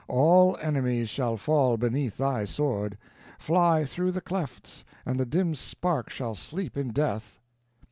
All enemies shall fall beneath thy sword. Fly through the clefts, and the dim spark shall sleep in death."